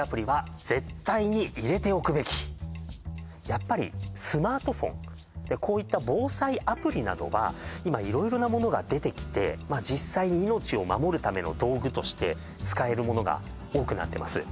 やっぱりスマートフォンこういった防災アプリなどは今色々なものが出てきて実際に命を守るための道具として使えるものが多くなってます